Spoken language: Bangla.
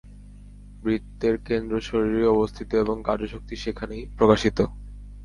বৃত্তের কেন্দ্র শরীরেই অবস্থিত এবং কার্য-শক্তি সেখানেই প্রকাশিত।